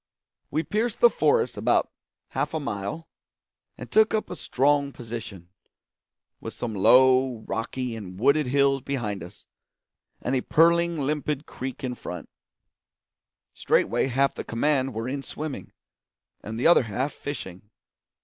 We pierced the forest about half a mile, and took up a strong position, with some low, rocky, and wooded hills behind us, and a purling, limpid creek in front. Straightway half the command were in swimming, and the other half fishing.